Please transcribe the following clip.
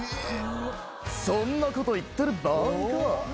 そんなこと言ってる場合か？